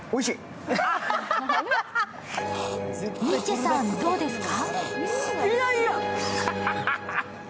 ニッチェさん、どうですか？